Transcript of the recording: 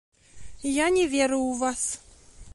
Я не веру ў вас.